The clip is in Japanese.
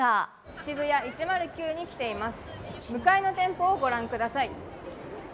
ＳＨＩＢＵＹＡ１０９に来ています。